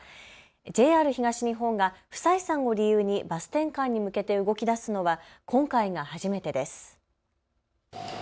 ＪＲ東日本が不採算を理由にバス転換に向けて動きだすのは今回が初めてです。